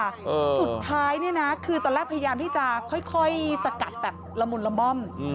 สุดท้ายเนี่ยนะคือตอนแรกพยายามที่จะค่อยสกัดแบบละมุนละม่อม